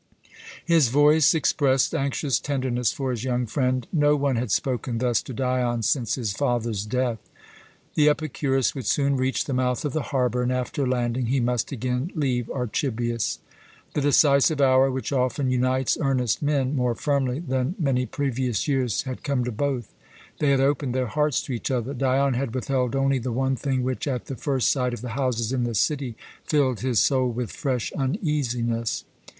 His voice expressed anxious tenderness for his young friend. No one had spoken thus to Dion since his father's death. The Epicurus would soon reach the mouth of the harbour, and after landing he must again leave Archibius. The decisive hour which often unites earnest men more firmly than many previous years had come to both. They had opened their hearts to each other. Dion had withheld only the one thing which, at the first sight of the houses in the city, filled his soul with fresh uneasiness.